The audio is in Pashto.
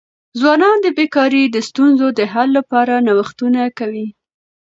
ځوانان د بېکاری د ستونزو د حل لپاره نوښتونه کوي.